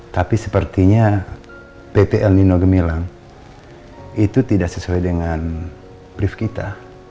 tapi sepertinya ppl nino gemilang itu tidak sesuai dengan brief kita